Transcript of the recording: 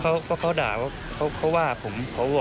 คุณเลือกไปประเทศไหนครับ